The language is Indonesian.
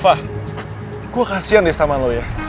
wah gue kasian deh sama lo ya